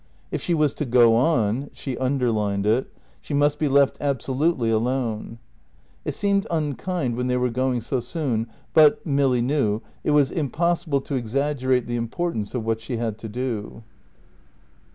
If she was to go on (she underlined it) she must be left absolutely alone. It seemed unkind when they were going so soon, but Milly knew it was impossible to exaggerate the importance of what she had to do.